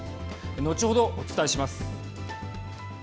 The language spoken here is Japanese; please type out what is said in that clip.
後ほどお伝えします。